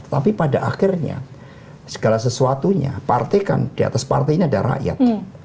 tetapi pada akhirnya segala sesuatunya partikan di atas partinya ada rakyat